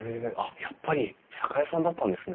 やっぱり酒屋さんだったんですね。